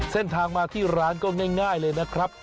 เส้นทางมาที่ร้านก็ง่ายเลยนะครับ